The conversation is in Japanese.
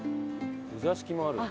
お座敷もあるんだ。